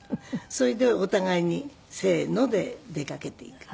それでお互いにせーので出かけていく。